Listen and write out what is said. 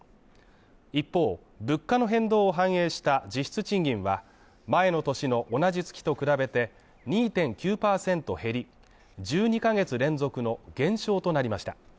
一方、物価の変動を反映した実質賃金は前の年の同じ月と比べて２．９％減り、１２ヶ月連続の減少となりました。